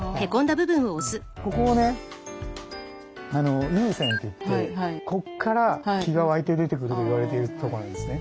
ここをね「湧泉」といってここから気が湧いて出てくると言われているところなんですね。